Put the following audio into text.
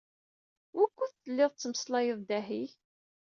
Wukud telliḍ tettmeslayeḍ dahi?